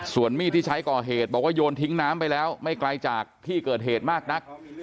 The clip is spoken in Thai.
ส่วนมีดที่ใช้ก่อเหตุบอกว่าโยนทิ้งน้ำไปแล้วไม่ไกลจากที่เกิดเหตุมากนัก